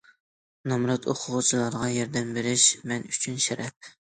نامرات ئوقۇغۇچىلارغا ياردەم بېرىش مەن ئۈچۈن شەرەپ!!